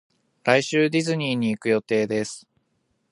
来週ディズニーに行く予定です